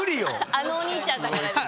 あのお兄ちゃんだからです。